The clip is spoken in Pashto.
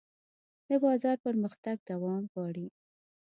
د بازار پرمختګ دوام غواړي.